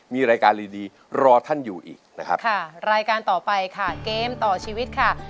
มีรายการดีดีรอท่านอยู่อีกนะครับค่ะรายการต่อไปค่ะเกมต่อชีวิตค่ะ